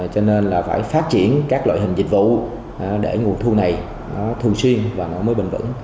cho nên là phải phát triển các loại hình dịch vụ để nguồn thu này thu xuyên và mới bền vững